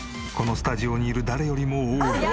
このスタジオにいる誰よりも多い。